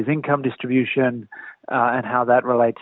dan bagaimana itu berkaitan dengan atas atas atas